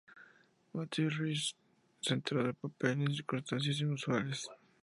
Matthew Rhys se enteró del papel en circunstancias inusuales.